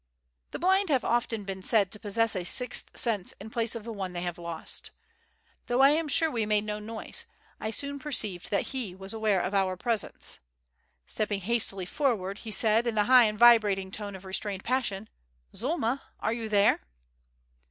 The blind have often been said to possess a sixth sense in place of the one they have lost. Though I am sure we made no noise, I soon perceived that he was aware of our presence. Stepping hastily forward he said, in the high and vibrating tone of restrained passion: "Zulma, are you there?"